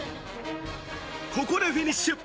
ここでフィニッシュ。